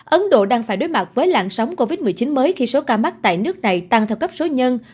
ấn độ đang phải đối mặt với làn sóng covid một mươi chín mới khi số ca mắc tại nước này tăng theo cấp số nhân